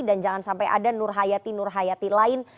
dan jangan sampai ada nur hayati nur hayati lain